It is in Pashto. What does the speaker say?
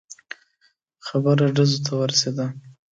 خبره ډزو ته ورسېده.